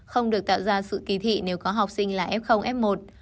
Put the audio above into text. không được tạo ra sự kỳ thị nếu có học sinh là f f một